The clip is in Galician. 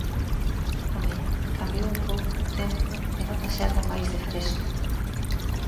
Home, cambiou un pouco o tempo e nótase algo máis de fresco.